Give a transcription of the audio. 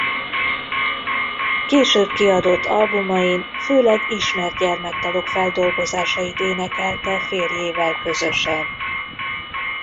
Később kiadott albumain főleg ismert gyermekdalok feldolgozásait énekelte férjével közösen.